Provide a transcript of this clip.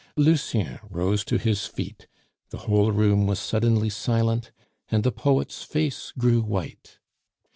Lucien rose to his feet, the whole room was suddenly silent, and the poet's face grew white.